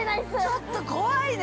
◆ちょっと怖いね。